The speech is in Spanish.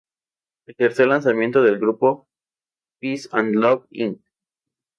El tercer lanzamiento del grupo, "Peace and Love, Inc.